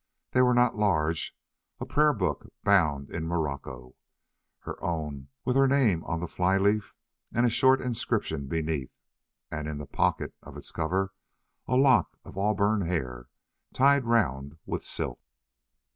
They were not large: a prayer book bound in morocco, her own, with her name on the fly leaf and a short inscription beneath, and in the pocket of its cover a lock of auburn hair tied round with silk.